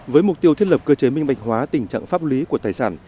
với mục tiêu thiết lập cơ chế minh bạch hóa tình trạng pháp lý của tài sản